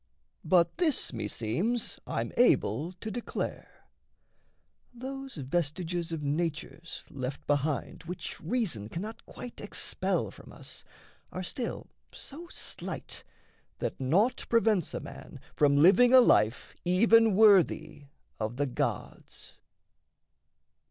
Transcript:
But this meseems I'm able to declare: Those vestiges of natures left behind Which reason cannot quite expel from us Are still so slight that naught prevents a man From living a life even worthy of the gods.